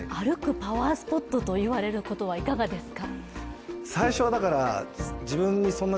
パワースポットと言われることはいかがですか？